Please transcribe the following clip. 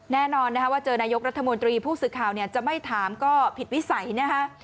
แน่นอนนะคะว่าเจอนายกรัฐมนตรีผู้สื่อข่าวจะไม่ถามก็ผิดวิสัยนะคะ